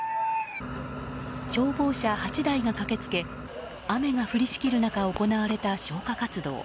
消防車８台が駆けつけ雨が降りしきる中行われた消火活動。